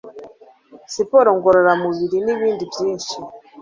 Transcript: siporo ngorora mubiri, n'ibindi byinshi